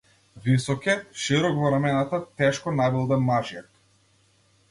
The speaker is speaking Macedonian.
Висок е, широк во рамената, тешко набилдан мажјак.